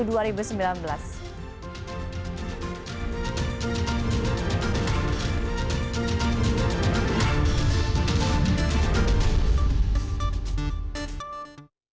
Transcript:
masih bersama saya